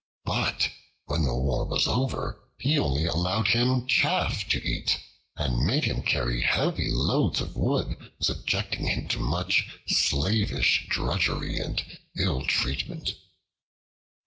But when the war was over, he only allowed him chaff to eat and made him carry heavy loads of wood, subjecting him to much slavish drudgery and ill treatment.